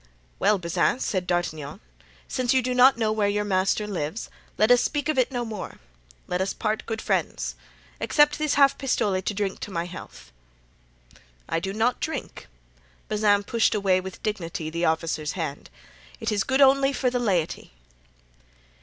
"Well, Bazin," said D'Artagnan, "since you do not know where your master lives, let us speak of it no more; let us part good friends. Accept this half pistole to drink to my health." "I do not drink"—Bazin pushed away with dignity the officer's hand—"'tis good only for the laity."